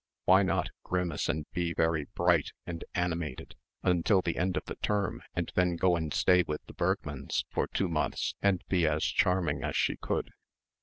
Why not grimace and be very "bright" and "animated" until the end of the term and then go and stay with the Bergmanns for two months and be as charming as she could?...